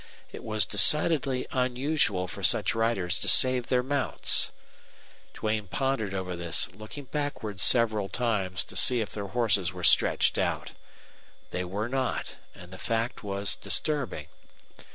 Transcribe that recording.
It was decidedly unusual for such riders to save their mounts. Duane pondered over this, looking backward several times to see if their horses were stretched out. They were not, and the fact was disturbing.